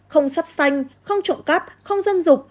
không sắt xanh không trộm cắp không dân dục